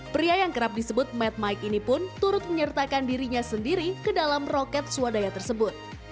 pria yang kerap disebut mad mike ini pun turut menyertakan dirinya sendiri ke dalam roket swadaya tersebut